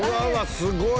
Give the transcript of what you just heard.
すごい！